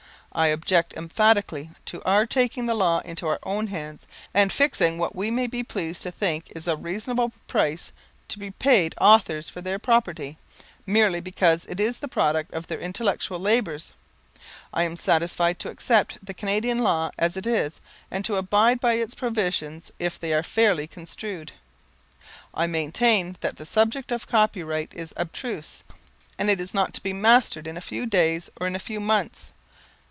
I object emphatically to our taking the law into our own hands, and fixing what we may be pleased to think is a reasonable price to be paid authors for their property, merely because it is the product of their intellectual labours. I am satisfied to accept the Canadian law as it is, and to abide by its provisions if they are fairly construed. I maintain that the subject of copyright is abstruse, and is not to be mastered in a few days or in a few months.